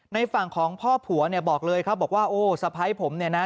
ในฝั่งของพ่อผัวเนี่ยบอกเลยครับบอกว่าโอ้สะพ้ายผมเนี่ยนะ